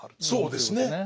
そうですね。